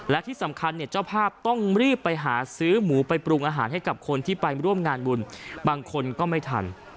และที่สำคัญเนี่ยเจ้าภาพต้องรีบไปหาซื้อหมูไปปรุงอาหารให้กับคนที่ไปร่วมงานบุญบางคนก็ไม่ทัน